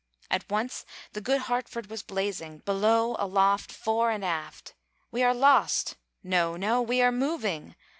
At once the good Hartford was blazing, Below, aloft, fore and aft. "We are lost!" "No, no; we are moving!"